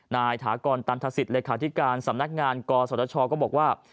นายถากรตันทศิษย์รายคาธิการสำนักงานกสวทชก็บอกว่า